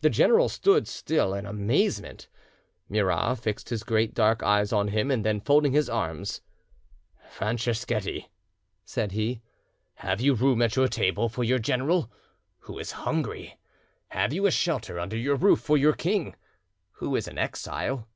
The general stood still in amazement; Murat fixed his great dark eyes on him, and then, folding his arms:— "Franceschetti," said he, "have you room at your table for your general, who is hungry? Have you a shelter under your roof for your king, who is an exile?"